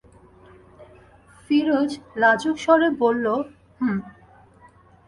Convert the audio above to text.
ফিরোজ লাজুক স্বরে বলল, হুঁ।